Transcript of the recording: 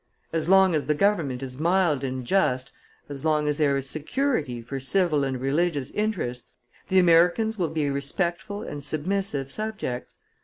As long as the government is mild and just, as long as there is security for civil and religious interests, the Americans will be respectful and submissive subjects.